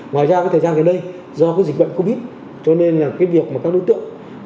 ngoài ra thời gian ngày nay do dịch bệnh covid cho nên việc các đối tượng